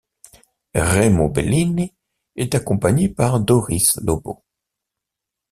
Remo Bellini est accompagné par Doris Lobo.